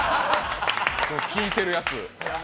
聞いてるやつ。